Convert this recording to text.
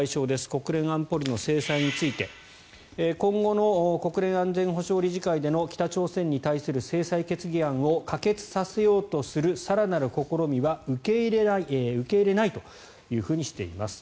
国連安保理の制裁について今後の国連安全保障理事会での北朝鮮に対する制裁決議案を可決させようとする更なる試みは受け入れないというふうにしています。